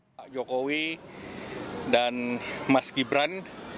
pak jokowi dan mas gibran